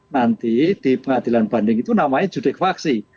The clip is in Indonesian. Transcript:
nanti di pengadilan banding itu namanya judik faksi